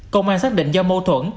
công an xác định do mâu thuẫn